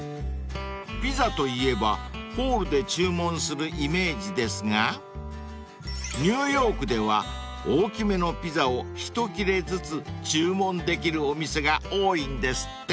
［ピザといえばホールで注文するイメージですがニューヨークでは大き目のピザを１切れずつ注文できるお店が多いんですって］